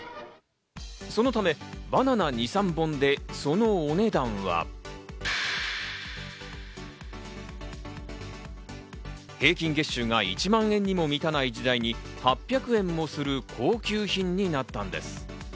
そのため、バナナ２３本で、そのお値段は。平均月収が１万円にも満たない時代に８００円もする高級品になったのです。